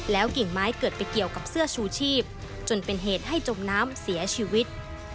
กิ่งไม้เกิดไปเกี่ยวกับเสื้อชูชีพจนเป็นเหตุให้จมน้ำเสียชีวิต